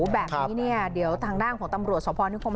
แบบนี้นี่เดี๋ยวทางด้านของตำรวจสาวพลอนิคนห์แม่ครับ